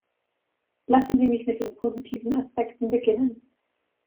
Lassen Sie mich mit den positiven Aspekten beginnen.